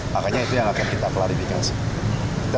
makanya itu yang akan kita pelarifikan sih